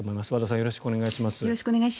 よろしくお願いします。